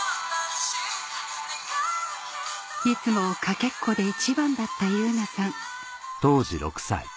いつも駆けっこで１番だった汐凪さん